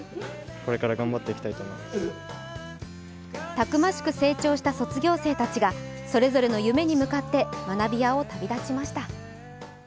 たくましく成長した卒業生たちがそれぞれの夢に向かって学びやを旅立ちました。